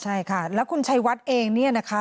ใช่ค่ะแล้วคุณชัยวัดเองเนี่ยนะคะ